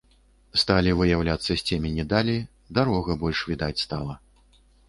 Сталі выяўляцца з цемені далі, дарога больш відаць стала.